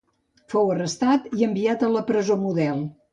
Fou arrestat i enviat a la presó Model.